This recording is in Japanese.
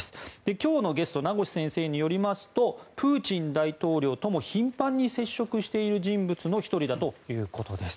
今日のゲストの名越先生によりますとプーチン大統領とも頻繁に接触している人物の１人だということです。